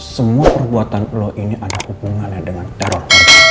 semua perbuatan allah ini ada hubungannya dengan teror